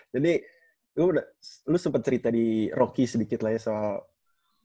jadi lu sempat cerita di rocky sedikit lagi soal awal basketball